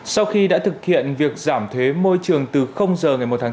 sau khi đã thực hiện việc giảm thuế môi trường từ giờ ngày một tháng chín